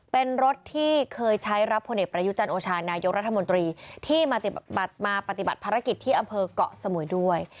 เป็นรถที่เคยใช้รับพลเอกประยุจันโอชานายกรัฐมนตรีที่มาปฏิบัติภารกิจที่อำเภอกเกาะสมุยด้วย